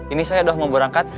ini saya sudah mau berangkat